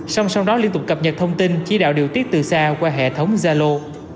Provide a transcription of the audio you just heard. xong sau đó liên tục cập nhật thông tin chỉ đạo điều tiết từ xa qua hệ thống zalo